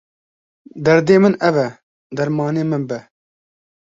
Derdê min ev e, dermanê min be.